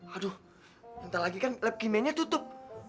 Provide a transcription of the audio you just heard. aduh nanti lagi kan lab kimianya tutup